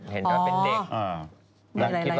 เห็นว่าเป็นเด็ก